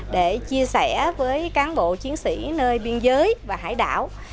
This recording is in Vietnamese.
để chia sẻ với cán bộ chiến sĩ nơi biên giới và hải đảo